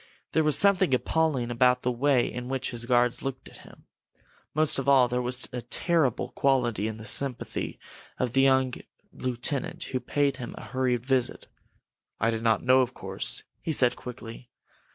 There was something appalling about the way in which his guards looked at him. Most of all, there was a terrible quality in the sympathy of the young lieutenant who paid him a hurried visit. "I did not know, of course," he said, quickly.